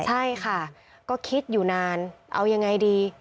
ใช่ค่ะก็คิดอยู่นานเอายังไงดี